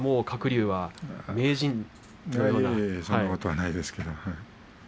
そんなことはないですけれど。